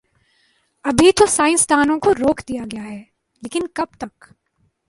ابھی تو سائنس دانوں کو روک دیا گیا ہے، لیکن کب تک؟